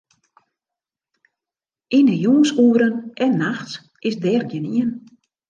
Yn 'e jûnsoeren en nachts is dêr gjinien.